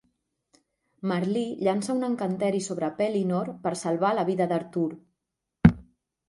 Merlí llança un encanteri sobre Pellinore per salvar la vida d'Artur.